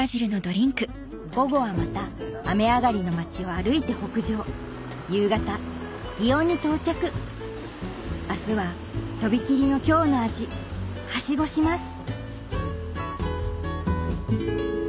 午後はまた雨上がりの町を歩いて北上夕方園に到着明日は飛び切りの京の味ハシゴします